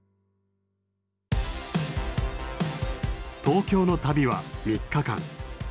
東京の旅は３日間。